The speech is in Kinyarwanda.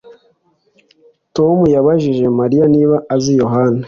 Tom yabajije Mariya niba azi Yohana